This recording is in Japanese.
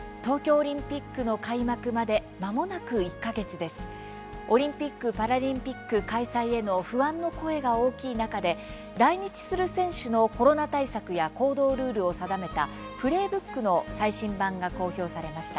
オリンピック・パラリンピック開催への不安の声が大きい中で来日する選手のコロナ対策や行動ルールを定めたプレーブックの最新版が公表されました。